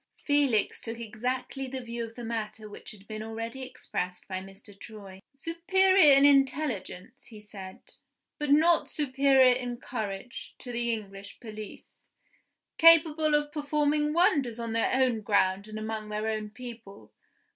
Felix took exactly the view of the matter which had been already expressed by Mr. Troy. "Superior in intelligence," he said, "but not superior in courage, to the English police. Capable of performing wonders on their own ground and among their own people.